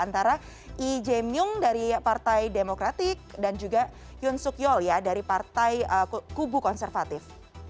antara lee jae myung dari partai demokratik dan juga yoon suk yeol dari partai kubu konservatif